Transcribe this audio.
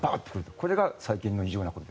これが最近の異常なことです。